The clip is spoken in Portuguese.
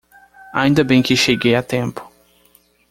Ainda bem que cheguei a tempo.